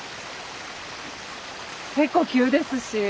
結構急ですしうん。